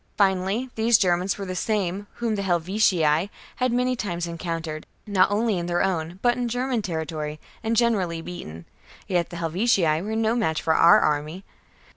Finally, these Germans were the same whom the Helvetii had many times encountered, not only in their own but in German territory, and generally ^ beaten : yet the Helvetii were no match for our army.